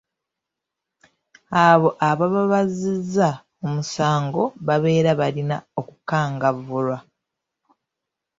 Abo ababa bazzizza omusango babeera balina okukangavvulwa.